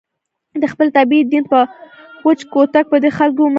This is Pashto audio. د خپلې طبعې دین به په وچ کوتک په دې خلکو ومني.